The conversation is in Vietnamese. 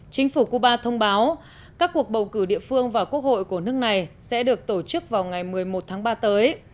chính phủ cuba thông báo các cuộc bầu cử địa phương và quốc hội của nước này sẽ được tổ chức vào ngày một mươi một tháng ba tới